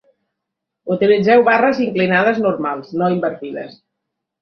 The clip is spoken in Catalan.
Utilitzeu barres inclinades normals, no invertides.